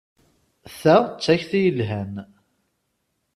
Ta d takti yelhan!